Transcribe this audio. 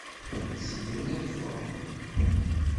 La tteddun ad ffɣen?